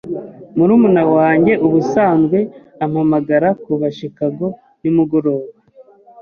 Murumuna wanjye ubusanzwe ampamagara kuva Chicago nimugoroba.